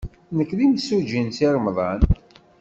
Nekk d imsujji n Si Remḍan.